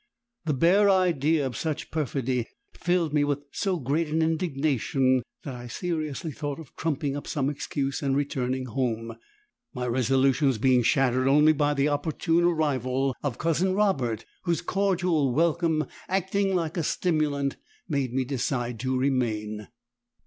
The bare idea of such perfidy filled me with so great an indignation that I seriously thought of trumping up some excuse and returning home; my resolutions being shattered only by the opportune arrival of Cousin Robert, whose cordial welcome acting like a stimulant made me decide to remain.